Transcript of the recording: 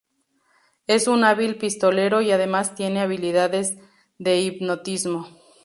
Es un hábil pistolero y además tiene habilidades de hipnotismo.